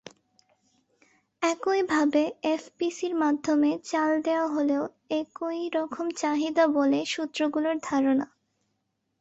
একইভাবে এফপিসির মাধ্যমে চাল দেওয়া হলেও একই রকম চাহিদা বলে সূত্রগুলোর ধারণা।